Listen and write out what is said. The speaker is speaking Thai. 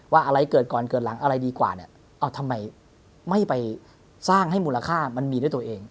อะไรเกิดก่อนเกิดหลังอะไรดีกว่าเนี่ยเอาทำไมไม่ไปสร้างให้มูลค่ามันมีด้วยตัวเอง